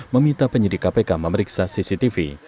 meminta penyidik kpk memeriksa cctv